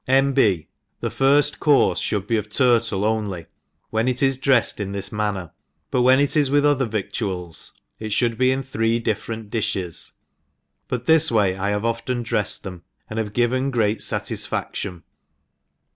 N. B. The firft courfe (hould be of turtle only, when it is drefTed in this manner: but when it is with other victuals, it fhould be in three different di(hcs,'1)ut this way I have often drefled them, and have given great fatisfaftion.